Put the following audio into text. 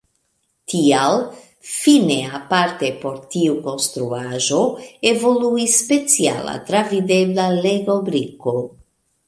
Tial fine aparte por tiu konstruaĵo evoluis speciala travidebla Lego-briko.